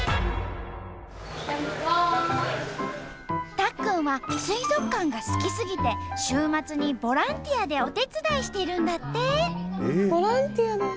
たっくんは水族館が好きすぎて週末にボランティアでお手伝いしてるんだって。